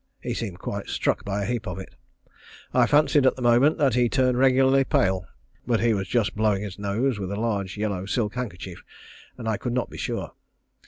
He seemed quite struck of a heap by it. I fancied at the moment that he turned regularly pale, but he was just blowing his nose with a large yellow silk handkerchief, and I could not be sure.